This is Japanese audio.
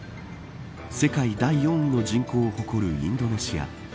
世界第４位の人口を誇るインドネシア。